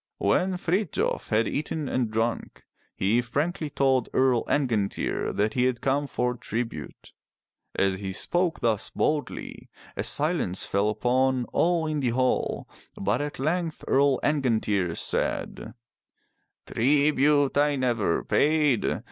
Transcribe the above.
When Frithjof had eaten and drunk, he frankly told Earl Angantyr that he had come for tribute. As he spoke thus boldly, a silence fell upon all in the hall, but at length Earl Angantyr said: '* Tribute I never paid.